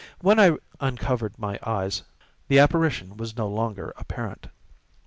When I uncovered my eyes, the apparition was no longer apparent.